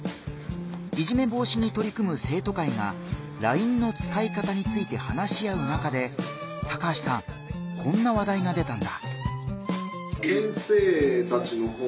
いじめ防止にとり組む生徒会がＬＩＮＥの使い方について話し合う中で高橋さんこんな話題が出たんだ。